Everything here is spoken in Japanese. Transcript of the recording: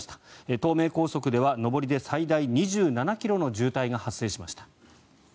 東名高速では上りで最大２７ｋｍの渋滞が発生しました。